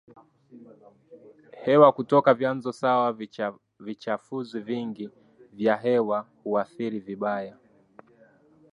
hewa kutoka vyanzo sawa Vichafuzi vingi vya hewa huathiri vibaya